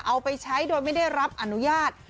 เอาไปใช้โดยไม่ได้รับอนุญาต